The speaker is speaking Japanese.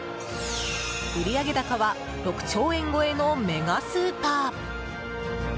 売上高は６兆円超えのメガスーパー。